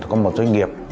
có một doanh nghiệp